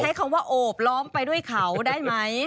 ใช้คำว่าโอบล้อมไปด้วยเขาได้ไหม